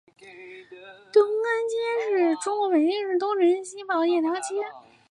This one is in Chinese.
东长安街是位于中国北京市东城区西部的一条街。